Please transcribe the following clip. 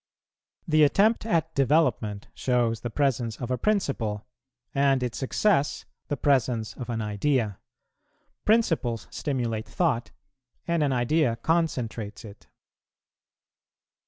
The attempt at development shows the presence of a principle, and its success the presence of an idea. Principles stimulate thought, and an idea concentrates it.